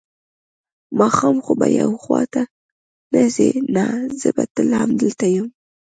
ماښام خو به یو خوا ته نه ځې؟ نه، زه به تل همدلته یم.